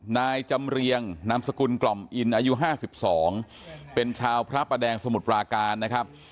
นายจำเรียงนามสกุลกล่อมอินอายุ๕๒เป็นชาวพระประแดงสมุทรปราการนะครับ